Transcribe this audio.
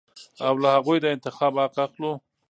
او له هغوى د انتخاب حق اخلو.